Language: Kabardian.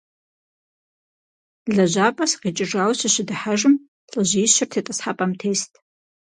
ЛэжьапӀэ сыкъикӀыжауэ сыщыдыхьэжым, лӏыжьищыр тетӀысхьэпӀэм тест.